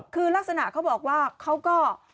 คือลักษณะเขาบอกว่าเขาก็